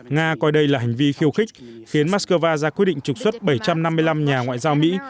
nga coi đây là hành vi khiêu khích khiến moscow ra quyết định trục xuất bảy trăm năm mươi năm nhà ngoại giao mỹ